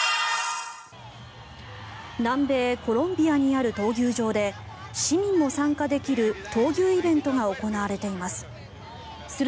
南米コロンビアにある闘牛場で市民も参加できる闘牛イベントが行われています。